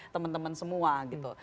temen temen semua gitu